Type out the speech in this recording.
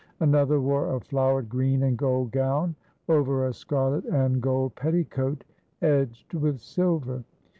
Another wore a flowered green and gold gown, over a scarlet and gold petticoat edged with silver.